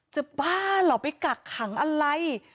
บ้าเหรอไปกักขังอะไร